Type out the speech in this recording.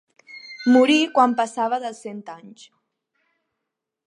Morí quan passava dels cent anys.